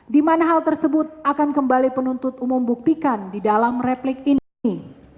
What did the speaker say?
di mana hal tersebut akan kembali penuntut umum buktikan di dalam replik ini